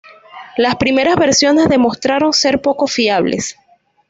Las primeras versiones demostraron ser poco fiables.